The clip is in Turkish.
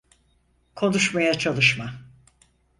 Konuşmaya çalışma.